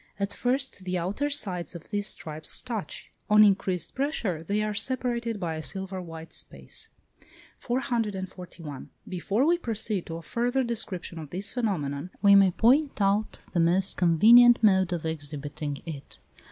At first, the outer sides of these stripes touch; on increased pressure they are separated by a silver white space. 441. Before we proceed to a further description of this phenomenon, we may point out the most convenient mode of exhibiting it.